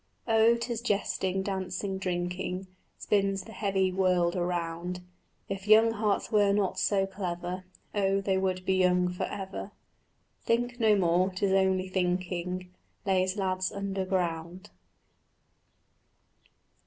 Oh, 'tis jesting, dancing, drinking Spins the heavy world around. If young hearts were not so clever, Oh, they would be young for ever: Think no more; 'tis only thinking Lays lads underground.